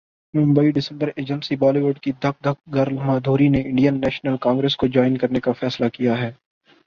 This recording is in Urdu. ممبئی ڈسمبرایجنسی بالی ووڈ کی دھک دھک گرل مادھوری نے انڈین نیشنل کانگرس کو جائن کرنے کا فیصلہ کیا ہے